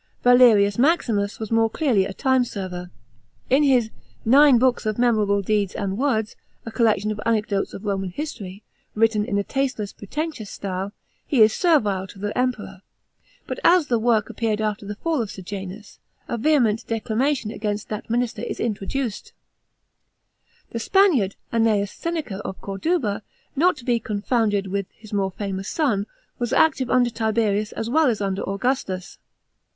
VALERIUS MAXIMUS was mor»j clearly a time server. In his " Nine Books of Memorable Deeds and Words," a coll* c'ion of anecdotes of Roman history, wr tten in a tasteless, pretentious style, he is servile to the Emperor, but as the work appeared after the fall of Sejanus, 212 THE PRINCIPATE OF TIBERIUS. CHAP, xm, a vehement declamation against that minister is introduced. The Spaniard, ANN^EUS SENECA of Corduba, not to be confounded with his more famous son, was active under Tiberius as well as under Augustus.